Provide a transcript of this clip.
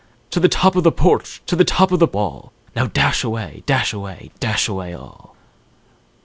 To the top of the porch! to the top of the wall! Now dash away! dash away! dash away all!"